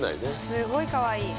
すごいかわいい。